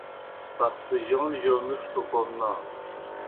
پَخڅِیون جو مِݜٹوْ کوْم نانوْ۔